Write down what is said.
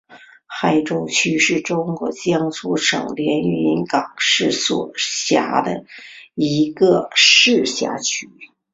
海州区是中国江苏省连云港市所辖的一个市辖区。